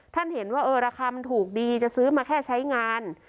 ท่านเห็นว่าเออราคามันถูกดีจะซื้อมาแค่ใช้งาน